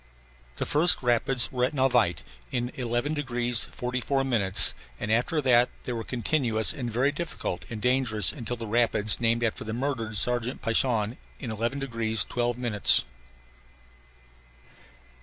The first rapids were at Navaite in 11 degrees 44 minutes and after that they were continuous and very difficult and dangerous until the rapids named after the murdered sergeant Paishon in 11 degrees 12 minutes.